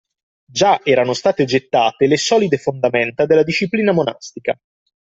Già erano state gettate le solide fondamenta della disciplina monastica